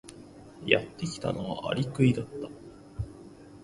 やってきたのはアリクイだった。